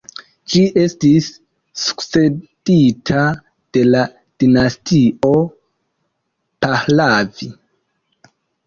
Ĝi estis sukcedita de la dinastio Pahlavi.